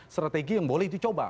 strategi yang boleh dicoba